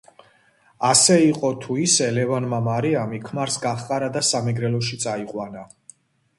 ასე იყო თუ ისე, ლევანმა მარიამი ქმარს გაჰყარა და სამეგრელოში წაიყვანა.